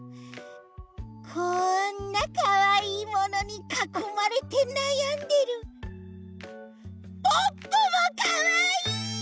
こんなかわいいものにかこまれてなやんでるポッポもかわいい！